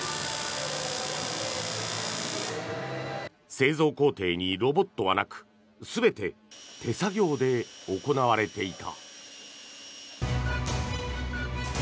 製造工程にロボットはなく全て手作業で行われていた。